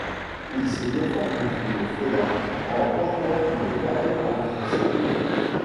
Il se défend contre le félin en pointant une dague entre ses côtes.